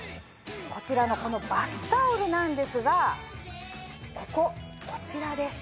こちらのこのバスタオルなんですがこここちらです。